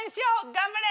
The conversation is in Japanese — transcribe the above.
頑張れ！